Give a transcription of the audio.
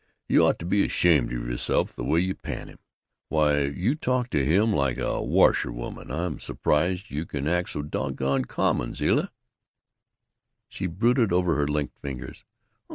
You ought to be ashamed of yourself the way you pan him. Why, you talk to him like a washerwoman. I'm surprised you can act so doggone common, Zilla!" She brooded over her linked fingers.